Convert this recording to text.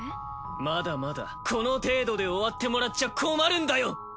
まだまだこの程度で終わってもらっちゃ困るんだよ。